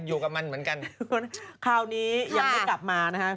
อยู่กับมันเหมือนกันคราวนี้ยังไม่กลับมานะฮะ